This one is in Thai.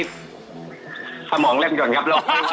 สมองเร่มหย่อนครับ